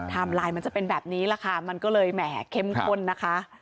ไลน์มันจะเป็นแบบนี้แหละค่ะมันก็เลยแหมเข้มข้นนะคะ